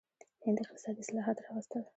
هند اقتصادي اصلاحات راوستل.